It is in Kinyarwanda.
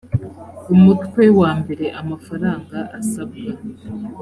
umutwe wa mbere amafaranga asabwa